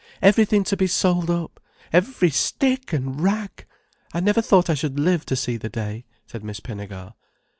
Everything to be sold up. Every stick and rag! I never thought I should live to see the day," said Miss Pinnegar.